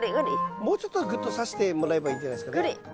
もうちょっとぐっとさしてもらえばいいんじゃないですかね。